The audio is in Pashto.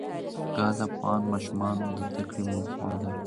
ګاز د افغان ماشومانو د زده کړې موضوع ده.